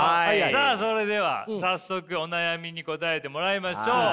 さあそれでは早速お悩みに答えもらいましょう。